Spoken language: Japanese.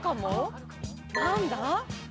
何だ？